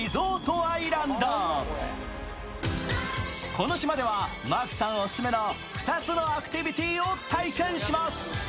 この島ではマークさんオススメの２つのアクティビティーを体験します。